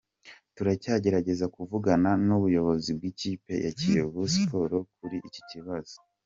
Turacyagerageza kuvugana n’ubuyobozi bw’ikipe ya Kiyovu Sports kuri iki kibazo.